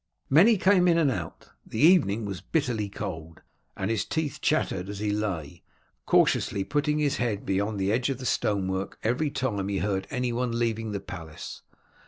Many came in and out. The evening was bitterly cold, and his teeth chattered as he lay, cautiously putting his head beyond the edge of the stonework every time he heard any one leaving the palace.